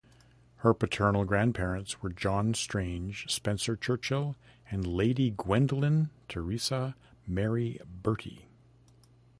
Her paternal grandparents were John Strange Spencer-Churchill and Lady Gwendoline Theresa Mary Bertie.